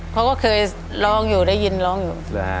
เขาก็เคยร้องอยู่ได้ยินร้องอยู่